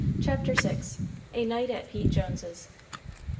CHAPTER VI. A NIGHT AT PETE JONES'S.